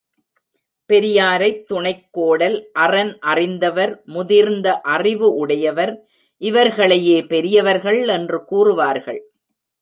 பெரியாரைத் துணைக்கோடல் அறன் அறிந்தவர், முதிர்ந்த அறிவு உடையவர் இவர்களையே பெரியவர்கள் என்று கூறுவார்கள்.